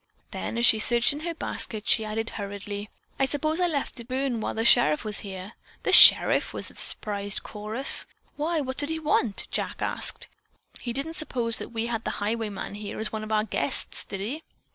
Then, as she searched in her basket, she added hurriedly: "I suppose I left it burn while the sheriff was here." "The sheriff!" was the surprised chorus. "Why, what did he want?" Jack asked. "He didn't suppose that we had the highwayman here as one of our guests, did he?"